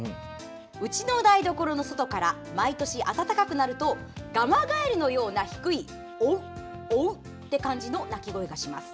うちの台所の外から毎年、暖かくなるとガマガエルのような低い「オゥッオゥッ！」って感じの鳴き声がします。